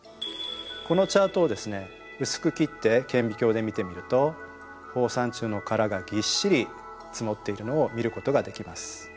このチャートをですね薄く切って顕微鏡で見てみると放散虫の殻がぎっしり積もっているのを見ることができます。